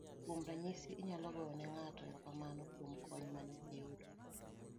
kuom ranyisi inyalo goyo ne ng'ato erokamano kuom kony mane iyudo